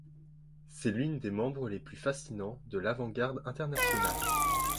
C'est l'une des membres les plus fascinants de l’avant-garde internationale.